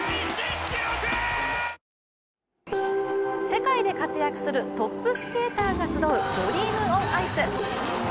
世界で活躍するトップスケーターが集うドリーム・オン・アイス。